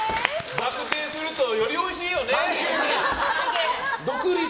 バク転するとよりおいしいよね。